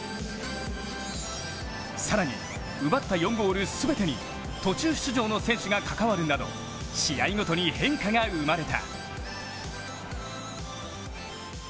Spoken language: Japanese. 更に奪った４ゴール全てに途中出場の選手が関わるなど試合ごとに変化が生まれた。